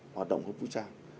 hoạt động có vũ trang